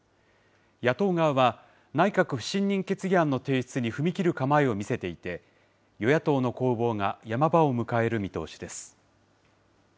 野党側は、内閣不信任決議案の提出に踏み切る構えを見せていて、与野党の攻防が山場を迎える見通しです。